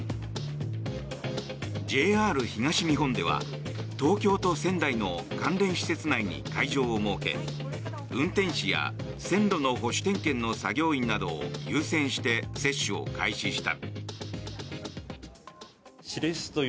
ＪＲ東日本では東京と仙台の関連施設内に会場を設け運転士や線路の保守点検の作業員などの優先して接種を開始した。